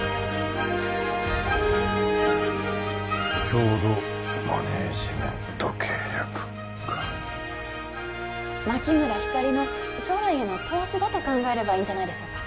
共同マネージメント契約か牧村ひかりの将来への投資だと考えればいいんじゃないでしょうか